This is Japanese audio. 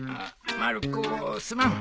まる子すまん。